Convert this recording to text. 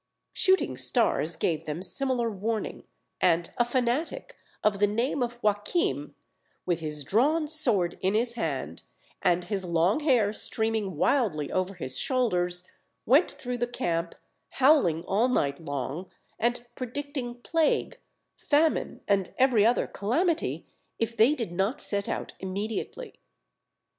Shooting stars gave them similar warning; and a fanatic, of the name of Joachim, with his drawn sword in his hand, and his long hair streaming wildly over his shoulders, went through the camp, howling all night long, and predicting plague, famine, and every other calamity, if they did not set out immediately.